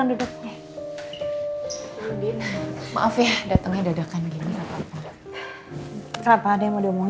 udah pada ke bmw